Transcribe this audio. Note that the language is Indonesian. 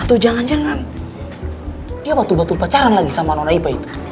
atau jangan jangan dia batu batu pacaran lagi sama nona ipa itu